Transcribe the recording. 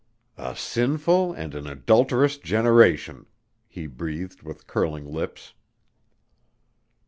"A sinful and an adulterous generation!" he breathed with curling lips.